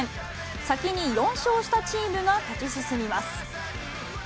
先に４勝したチームが勝ち進みます。